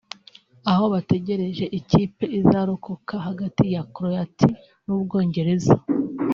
aho bategereje ikipe izarokoka hagati ya Croatia n’Ubwongereza